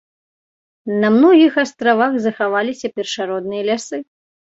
На многіх астравах захаваліся першародныя лясы.